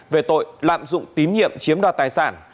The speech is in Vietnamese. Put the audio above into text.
về tội lạm dụng tín nhiệm chiếm đoạt tài sản